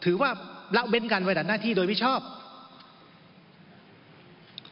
ถือว่าเราเป็นการวัยดันหน้าที่โดยวิชาปต์